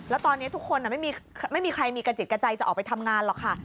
แล้วตอนนี้ทุกคนไม่มีใครมีกระจิตกระใจจะออกไปทำงานหรอกค่ะ